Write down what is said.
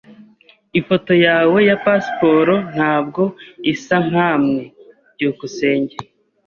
Ifoto yawe ya pasiporo ntabwo isa nkamwe. byukusenge